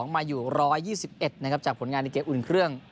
มาอยู่๑๒๑นะครับจากผลงานในเกมอุ่นเครื่อง